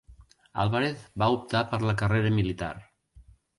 Álvarez va optar per la carrera militar.